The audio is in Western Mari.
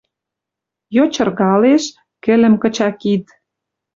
Йочыргалеш. Кӹлӹм кыча кид.